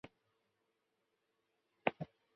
水的氢键作用使该分子稳定。